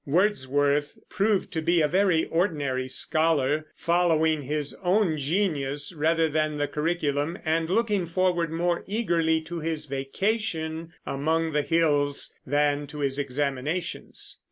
Wordsworth proved to be a very ordinary scholar, following his own genius rather than the curriculum, and looking forward more eagerly to his vacation among the hills than to his examinations.